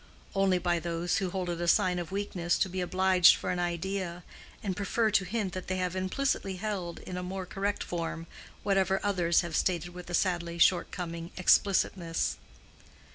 Only by those who hold it a sign of weakness to be obliged for an idea, and prefer to hint that they have implicitly held in a more correct form whatever others have stated with a sadly short coming explicitness.